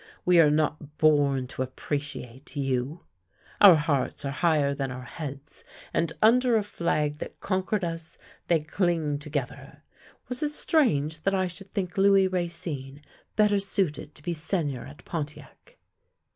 We are not born to appreciate you. Our hearts are higher than our heads, and, under a flag that conquered us, they cling together. Was it strange that I should think Louis Racine better suited to be Seigneur at Pontiac?"